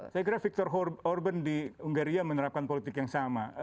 saya kira victor urban di ungaria menerapkan politik yang sama